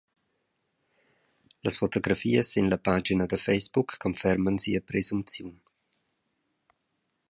Las fotografias sin la pagina da facebook conferman sia presumziun.